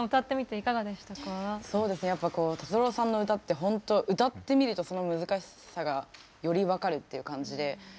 そうですねやっぱこう達郎さんの歌って本当歌ってみるとその難しさがより分かるっていう感じで。